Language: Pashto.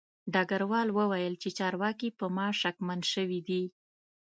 ډګروال وویل چې چارواکي په ما شکمن شوي دي